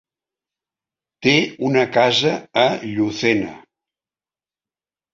Té una casa a Llucena.